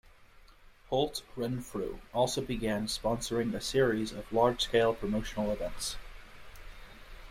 Holt Renfrew also began sponsoring a series of large scale promotional events.